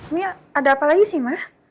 mia ada apa lagi sih ma